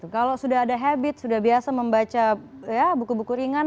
kalau sudah ada habit sudah biasa membaca buku buku ringan